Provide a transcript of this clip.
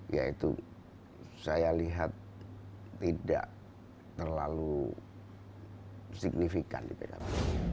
ya itu saya lihat tidak terlalu signifikan di pkb